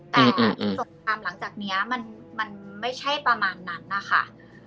แต่ส่วนตามหลังจากนี้มันไม่ใช่ประมาณนั้นค่ะ